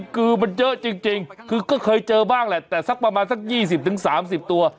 คือมันเยอะจริงคือก็เคยเจอบ้างแหละแต่สักประมาณสัก๒๐๓๐ตัว